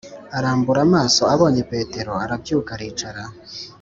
Arambura amaso abonye petero arabyuka aricara